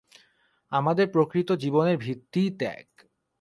আমাদের প্রকৃত জীবনের ভিত্তিই ত্যাগ।